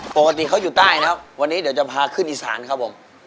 โอเคปกติเขาอยู่ใต้นะครับวันนี้จะพาพาเข้าไปอิสลานเออ